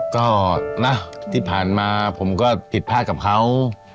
ก็นะที่ผ่านมาผมก็ผิดพลาดกับเขา